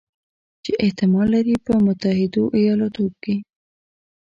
چې احتمال لري په متحدو ایالتونو کې